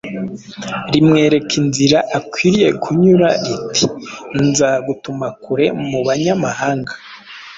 rimwereka inzira akwiriye kunyura riti: “Nzagutuma kure mu banyamahanga.”